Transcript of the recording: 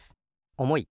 おもい。